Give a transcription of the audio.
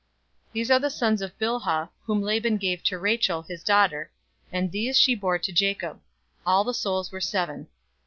046:025 These are the sons of Bilhah, whom Laban gave to Rachel, his daughter, and these she bore to Jacob: all the souls were seven.